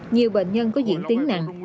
nhiều bệnh nhân có diễn tiếng nặng